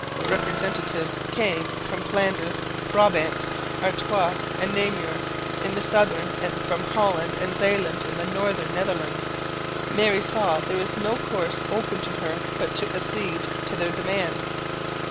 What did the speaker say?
Representatives came from Flanders, Brabant, Artois and Namur, in the southern, and from Holland and Zeeland in the northern Netherlands. Mary saw there was no course open to her but to accede to their demands.